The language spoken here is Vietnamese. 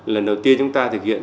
lần đầu tiên chúng ta thực hiện